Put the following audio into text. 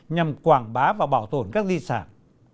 để phản bá và bảo tồn các di sản